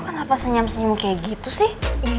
kenapa senyam senyum kayak gitu sih